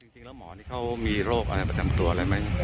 จริงแล้วหมอนี่เขามีโรคอะไรประจำตัวอะไรไหม